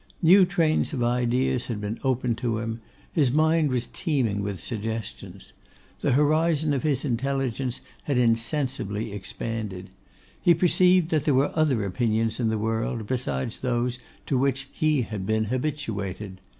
New trains of ideas had been opened to him; his mind was teeming with suggestions. The horizon of his intelligence had insensibly expanded. He perceived that there were other opinions in the world, besides those to which he had been habituated.